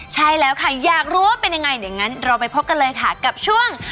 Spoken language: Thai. ใช่แล้วค่ะอยากรู้ว่าเป็นยังไงเดี๋ยวงั้นเราไปพบกันเลยค่ะกับช่วง